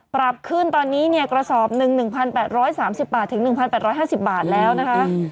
ปรับขึ้นตอนนี้เนี่ยกระสอบหนึ่ง๑๘๓๐บาทถึง๑๘๕๐บาทแล้วนะคะ